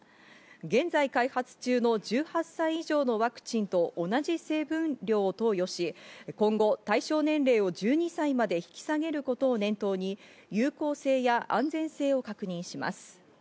現在開発中の１８歳以上のワクチンと同じ成分量を投与し、今後、対象年齢を１２歳まで引き下げることを念頭に有効性や安全性を確認します。